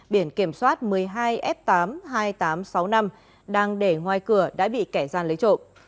biển kiểm soát một mươi hai f tám mươi hai nghìn tám trăm sáu mươi năm đang để ngoài cửa đã bị kẻ gian lấy trộm